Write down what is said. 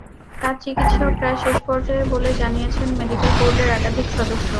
তাঁর চিকিৎসাও প্রায় শেষ পর্যায়ে বলে জানিয়েছেন মেডিকেল বোর্ডের একাধিক সদস্য।